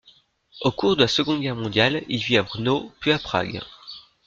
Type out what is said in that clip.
Au cours de la Seconde Guerre mondiale, il vit à Brno puis Prague.